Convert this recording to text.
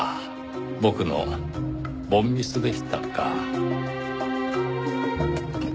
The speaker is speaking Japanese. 僕の凡ミスでしたか。